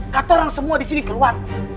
kata orang semua di sini juga peduli sama lo